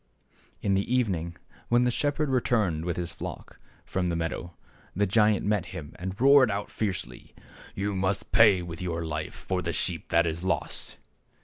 In the evening when the shepherd returned with his flock from the meadow, the giant met him and roared out fiercely, " You must pay with your life for the sheep that is lost